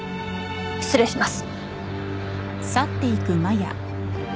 失礼します。